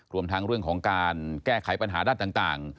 รวมทั้งเรื่องของการแก้ไขปัญหาด้านต่าง